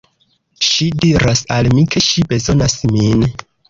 Ŝi diras al mi, ke ŝi bezonas min.